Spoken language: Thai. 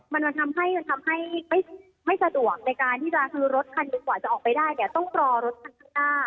มันทำให้ไม่สะดวกในการที่รถคันดีกว่าจะออกไปได้เนี่ยต้องกรอรถคันข้างหน้า